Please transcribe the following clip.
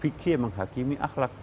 fikih yang menghakimi akhlak